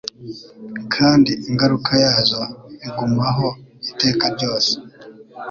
kandi ingaruka yazo igumaho iteka ryose.